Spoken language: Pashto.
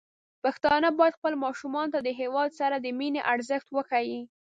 پښتانه بايد خپل ماشومان ته د هيواد سره د مينې ارزښت وښيي.